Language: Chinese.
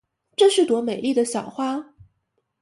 这是朵美丽的小花。